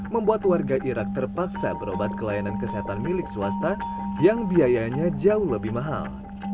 membuat warga irak terpaksa berobat ke layanan kesehatan milik swasta yang biayanya jauh lebih mahal